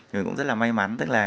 mình cũng rất là may mắn